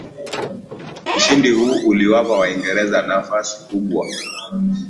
ushindi huu uliwapa waingereza nafasi kubwa